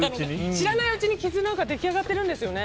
知らないうちに傷が出来上がっているんですよね。